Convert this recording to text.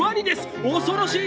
恐ろしい！